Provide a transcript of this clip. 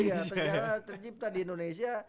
iya negara tercipta di indonesia